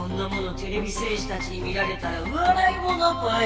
てれび戦士たちに見られたらわらいものぽよ。